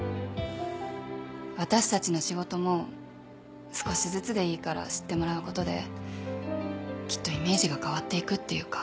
私たちの仕事も少しずつでいいから知ってもらうことできっとイメージが変わっていくっていうか。